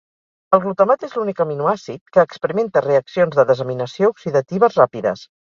El glutamat és l'únic aminoàcid que experimenta reaccions de desaminació oxidatives ràpides.